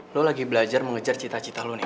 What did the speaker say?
lo lagi belajar mengejar cita cita lo nih